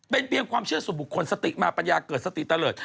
เป็นเพียงความเชื่อสู่บุคคลสติมาปัญญาเกิดสติเตลิศ